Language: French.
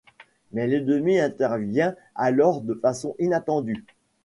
Mais l’ennemi intervient alors de façon inattendue.